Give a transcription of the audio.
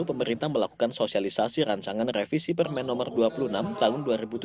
dan pemerintah melakukan sosialisasi rancangan revisi permen nomor dua puluh enam tahun dua ribu tujuh belas